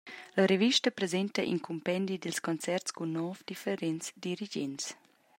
La revista presenta in cumpendi dils concerts cun nov differents dirigents.